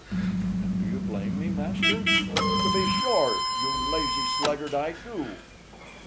"And do you blame me, master?" "To be sure, you lazy sluggard, I do."